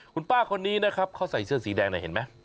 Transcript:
คุณป้าคนนี้นะครับเขาใส่เสื้อสีแดงเนี่ยเห็นไหม